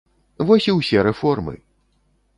Вось і ўсе рэформы!